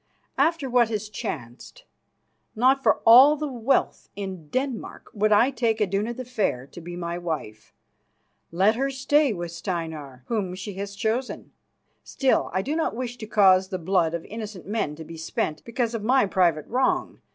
After what has chanced, not for all the wealth in Denmark would I take Iduna the Fair to be my wife. Let her stay with Steinar, whom she has chosen. Still, I do not wish to cause the blood of innocent men to be spent because of my private wrong.